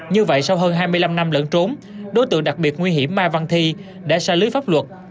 như vậy sau hơn hai mươi năm năm lẫn trốn đối tượng đặc biệt nguy hiểm mai văn thi đã xa lưới pháp luật